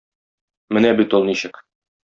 Менә бит ул ничек!